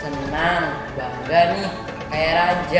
senang bangga nih kayak raja